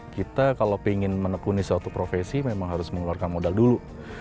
kita kalau ingin menekuni suatu profesi memang harus mengeluarkan modal dulu